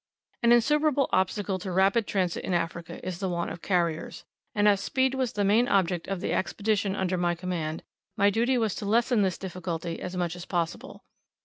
An insuperable obstacle to rapid transit in Africa is the want of carriers, and as speed was the main object of the Expedition under my command, my duty was to lessen this difficulty as much as possible.